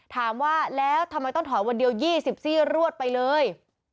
ถามว่าแล้วทำไมต้องถอยวันเดียว๒ซี่รวดไปเลย